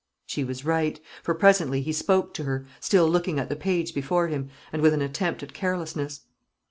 She was right; for presently he spoke to her, still looking at the page before him, and with an attempt at carelessness.